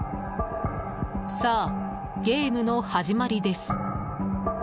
「さあゲームの始まりです